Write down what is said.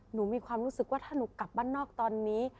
มีความรู้สึกว่าถ้าหนูกลับบ้านนอกตอนนี้